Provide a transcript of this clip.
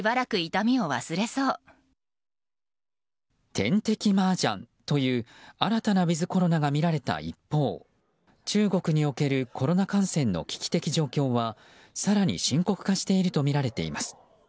点滴マージャンという新たなウィズコロナが見られた一方中国におけるコロナ感染の危機的状況は更に深刻化しているとみられています。